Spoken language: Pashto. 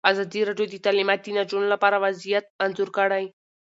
ازادي راډیو د تعلیمات د نجونو لپاره وضعیت انځور کړی.